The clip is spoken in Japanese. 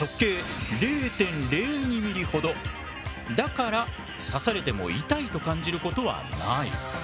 その針だから刺されても痛いと感じることはない。